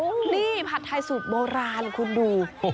นี่ผัดไทยสูตรโบราณคุณดู